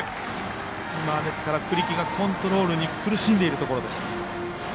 ですから、栗城がコントロールに苦しんでいるところです。